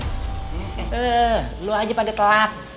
eh lu aja pada telat